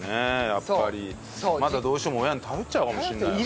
やっぱりまだどうしても親に頼っちゃうかもしれないよね。